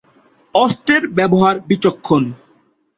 অস্ত্রের ব্যবহার বিচক্ষণ।